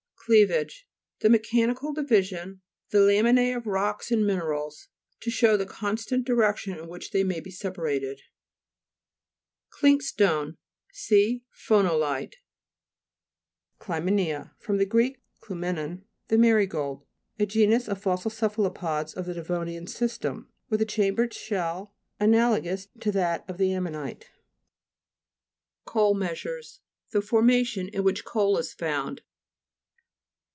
CLEAVAGE The mechanical divi sion, the laminae of rocks and mine rals, to show the constant direc tion in which they may be sepa rated. CLIXKSTOSTE See pho'nolite. CLTME'NIA fr. gr. klumenon, the marigold ? A genus of fossil cepha lopods of the Devonian system (p. 33), with a chambered shell ana logous to that of the ammonite. GLOSSARY. GEOLOGY. 217 COAL MEASURES The formations in which coal is found.